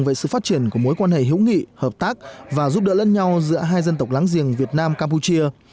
về sự phát triển của mối quan hệ hữu nghị hợp tác và giúp đỡ lẫn nhau giữa hai dân tộc láng giềng việt nam campuchia